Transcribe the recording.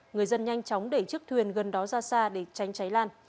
người dân nhanh chóng để chiếc thuyền gần đó ra xa để tránh cháy lan